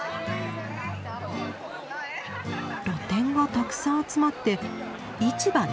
露店がたくさん集まって市場ね。